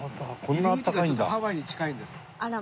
入口がちょっとハワイに近いんです。